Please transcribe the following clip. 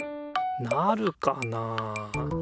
なるかなあ。